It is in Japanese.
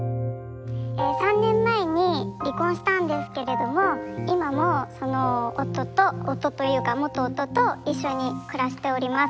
３年前に離婚したんですけれども今もその夫と夫というか元夫と一緒に暮らしております。